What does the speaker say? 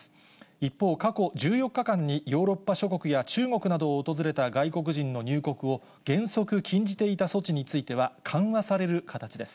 一方、過去１４日間にヨーロッパ諸国や中国などを訪れた外国人の入国を原則禁じていた措置については、緩和される形です。